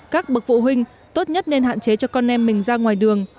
các bậc vụ huynh tốt nhất nên hạn chế cho con em mình ra ngoài đường